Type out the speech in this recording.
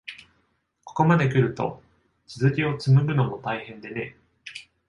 ここまでくると、続きをつむぐのも大変でね。